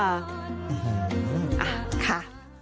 อ่ะค่ะ